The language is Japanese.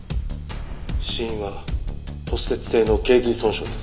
死因は骨折性の頸髄損傷です。